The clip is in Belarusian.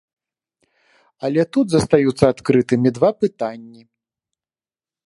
Але тут застаюцца адкрытымі два пытанні.